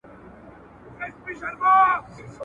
نو به کوچ وکړي د خلکو له سرونو ,